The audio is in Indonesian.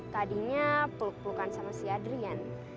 tadinya peluk pelukan sama si adrian